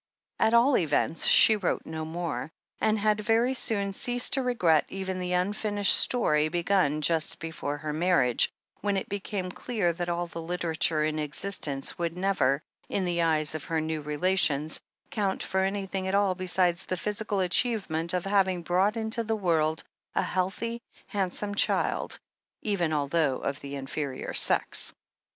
At all events, she wrote no more, and had very soon ceased to regret even the unfinished story begun just before her marriage, when it became clear that all the literature in existence would never, in the eyes of her new relations, count for anything at all beside the physi cal achievement of having brought into the world a healthy, handsome child, even although of the inferior sex.